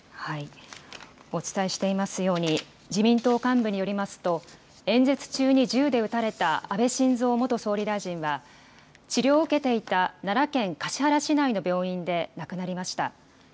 お伝えしていますように、自民党幹部によりますと、演説中に銃で撃たれた安倍晋三元総理大臣は、治療を受けていた奈良県橿原市内の病院で亡くなりました。